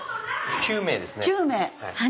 ９名。